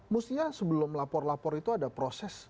mestinya sebelum lapor lapor itu ada proses